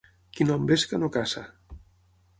Qui no envesca no caça.